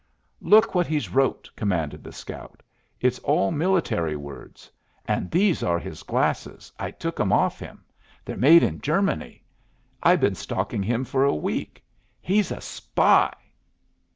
"Look what he's wrote," commanded the scout. "It's all military words. And these are his glasses. I took 'em off him. They're made in Germany! I been stalking him for a week. He's a spy!"